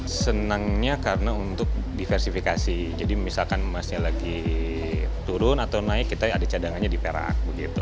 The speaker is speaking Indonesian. saya senangnya karena untuk diversifikasi jadi misalkan emasnya lagi turun atau naik kita ada cadangannya di perak begitu